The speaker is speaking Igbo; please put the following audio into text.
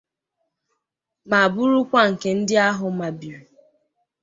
ma bụrụkwa nke ndị ahụ mabììrì